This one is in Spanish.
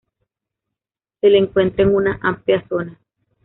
Se le encuentra en una amplia zona.